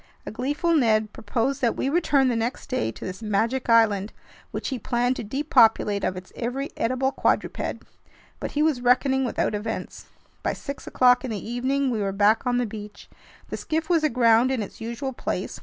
A gleeful Ned proposed that we return the next day to this magic island, which he planned to depopulate of its every edible quadruped. But he was reckoning without events. By six o'clock in the evening, we were back on the beach. The skiff was aground in its usual place.